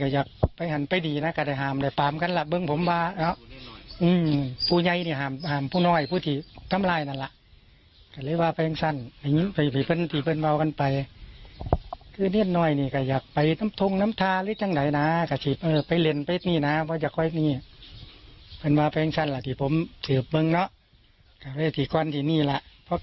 ครับกาทุกกับชัมปิน้องก็ไปบินบานน้ำกันกลุ้วเศร้ากรุ่ว์เลว่กนี่แหละครับ